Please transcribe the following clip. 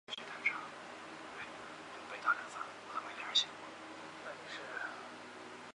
队长为伊丹耀司。